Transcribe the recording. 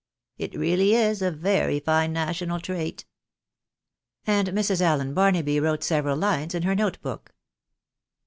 It really is a very fine national trait." And Mrs. Allen Barnaby wrote several lines in her note book.